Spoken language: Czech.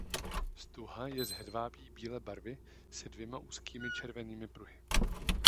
Stuha je z hedvábí bílé barvy se dvěma úzkými červenými pruhy.